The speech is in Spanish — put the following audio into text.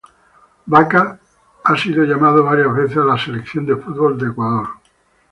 Vaca ha sido llamado varias veces a la Selección de fútbol de Ecuador.